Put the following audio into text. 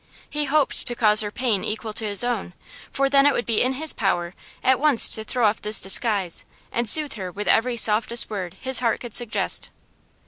He hoped to cause her pain equal to his own, for then it would be in his power at once to throw off this disguise and soothe her with every softest word his heart could suggest.